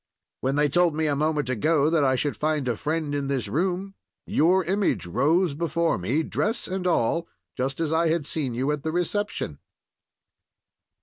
When they told me a moment ago that I should find a friend in this room, your image rose before me, dress and all, just as I had seen you at the reception."